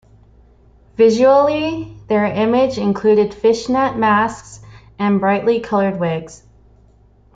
Visually, their image included fishnet masks and brightly coloured wigs.